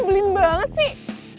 belin banget sih